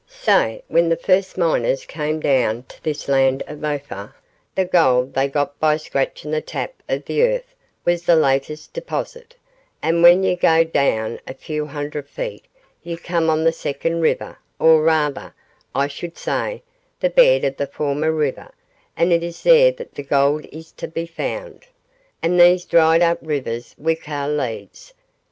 Sae when the first miners came doon tae this land of Ophir the gold they got by scratchin' the tap of the earth was the latest deposit, and when ye gae doon a few hundred feet ye come on the second river or rather, I should say, the bed o' the former river and it is there that the gold is tae be found; and these dried up rivers we ca' leads.